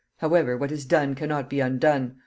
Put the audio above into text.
However, what is done can not be undone.